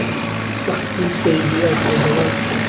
وهختی سهیدی ئاخری زهمان